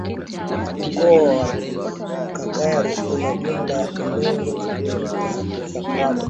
Mkoa wa Kagera una jumla ya eneo la Kilomita za mraba